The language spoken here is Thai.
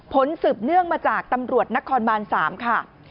สืบเนื่องมาจากตำรวจนครบาน๓ค่ะ